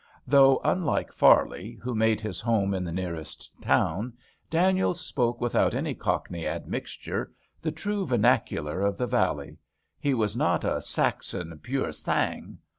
Though, unlike Farley, who made his home in the nearest town, Daniels spoke without any Cockney admixture, the true vernacular of the valley, he was not a Saxon, pur 34 DANIELS sang.